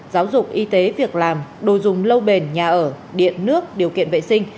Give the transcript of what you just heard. giáo dục y tế việc làm đồ dùng lâu bền nhà ở điện nước điều kiện vệ sinh